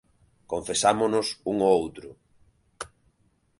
Confesámonos un ó outro.